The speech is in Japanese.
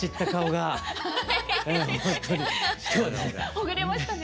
ほぐれましたね。